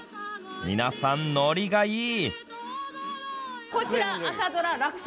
皆さんノリがいい。